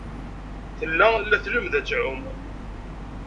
Tella la tlemmed ad tɛum.